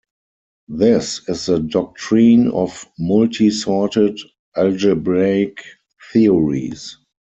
This is the doctrine of multi-sorted algebraic theories.